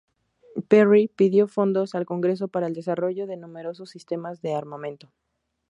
Perry pidió fondos al Congreso para el desarrollo de numerosos sistemas de armamento.